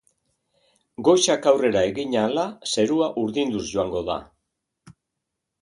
Goizak aurrera egin ahala zerua urdinduz joango da.